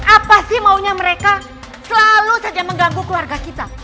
apa sih maunya mereka selalu saja mengganggu keluarga kita